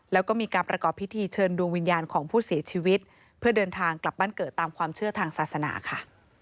แล้วก็มีการประกอบพิธีเชิญดวงวิญญาณของผู้เสียชีวิตเพื่อเดินทางกลับบ้านเกิดตามความเชื่อทางศาสนาค่ะ